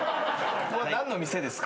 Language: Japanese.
ここは何の店ですか？